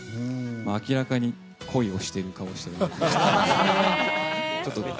明らかに恋をしている顔をしていますね。